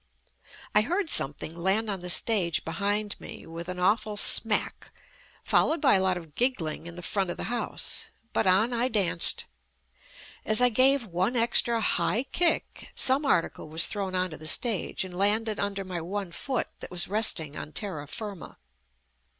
I heard something land on the stage behind me with an awful smack, fol lowed by a lot of giggling in the front of the house. But on I danced ! As I gave one extra high kick some article was thrown onto the stage and landed under my one foot that was resting on terra firma.